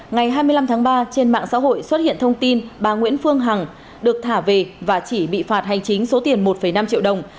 ngày hai mươi năm tháng ba trên mạng xã hội xuất hiện thông tin bà nguyễn phương hằng được thả về và chỉ bị phạt hành chính số tiền một năm triệu đồng